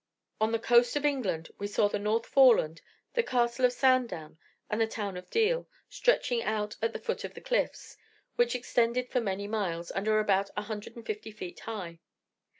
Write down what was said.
On the coast of England, we saw the North Foreland, the Castle of Sandown, and the town of Deal, stretching out at the foot of the cliffs, which extend for many miles, and are about 150 feet high.